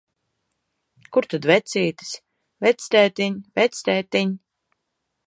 Kur tad vecītis? Vectētiņ, vectētiņ!